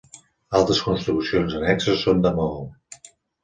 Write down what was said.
Altres construccions annexes són de maó.